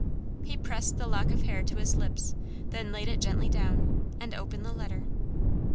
He pressed the lock of hair to his lips, then laid it gently down, and opened the letter.